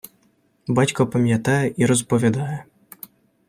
Батько пам’ятає і розповідає.